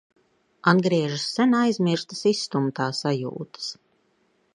Atgriežas sen aizmirstas izstumtā sajūtas...